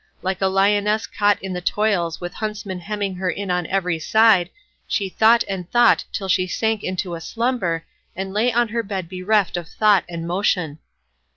Like a lioness caught in the toils with huntsmen hemming her in on every side she thought and thought till she sank into a slumber, and lay on her bed bereft of thought and motion.